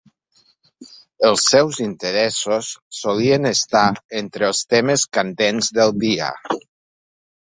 Els seus interessos solien estar entre els temes candents del dia.